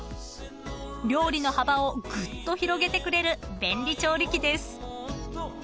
［料理の幅をグッと広げてくれる便利調理器です］